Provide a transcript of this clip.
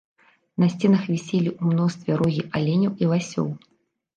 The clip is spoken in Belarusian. На сценах віселі ў мностве рогі аленяў і ласёў.